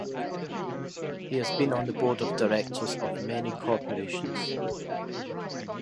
He has been on the board of directors of many corporations.